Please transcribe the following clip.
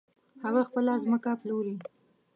هغه خپله ځمکه پلوري .